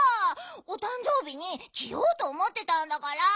おたんじょうびにきようとおもってたんだから。